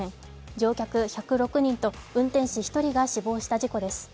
乗客１０６人と運転士１人が死亡した事故です。